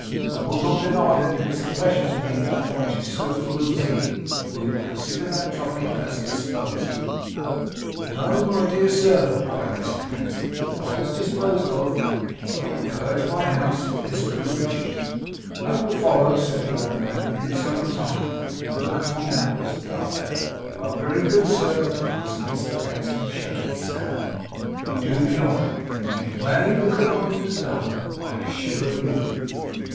'I will not deny that it is a pleasure to me to find you so full of zeal. We will consider that topic as disposed of.' 'No, my dear sir,' cried Mr Pecksniff, 'not as disposed of, until I have purged my house of this pollution.' 'That will follow,' said the old man, 'in its own time. I look upon that as done.' 'You are very good, sir,' answered Mr Pecksniff, shaking his hand. 'You do me honour. You MAY look upon it as done, I assure you.